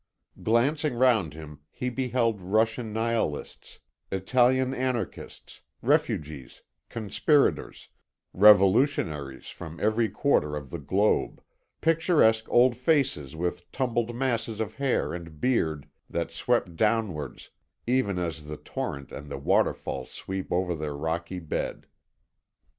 Glancing round him he beheld Russian Nihilists, Italian Anarchists, refugees, conspirators, revolutionaries from every quarter of the globe, picturesque old faces with tumbled masses of hair and beard that swept downwards even as the torrent and the waterfall sweep over their rocky bed.